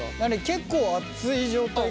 結構熱い状態か？